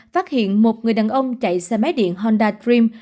phát hiện một người đàn ông chạy xe máy điện honda dtream